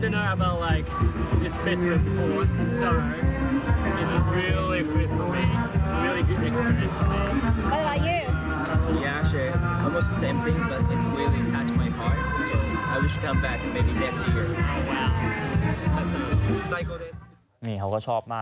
นี่ที่ลาน่ะ